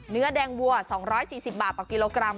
เนื้อแดงวัว๒๔๐บาทต่อกิโลกรัม